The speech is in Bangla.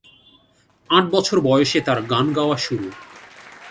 আট বছর বয়সে তার গান গাওয়া শুরু।